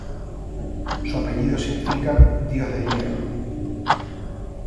Su apellido significa "Dios de Hierro".